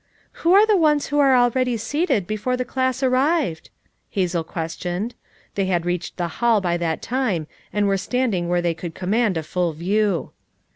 "Who are the ones who were already seated before the class arrived?" Hazel questioned. They had reached the Hall by that time and were standing where they could command a full view.